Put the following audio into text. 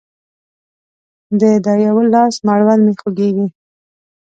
د دا يوه لاس مړوند مې خوږيږي